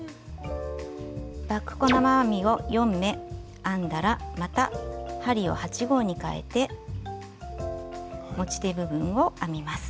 バック細編みを４目編んだらまた針を８／０号にかえて持ち手部分を編みます。